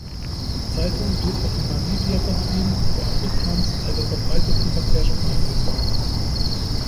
Die Zeitung wird auch in Namibia vertrieben, wo Afrikaans eine verbreitete Verkehrssprache ist.